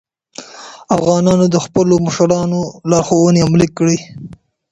افغانانو د خپلو مشرانو لارښوونې عملي کړې.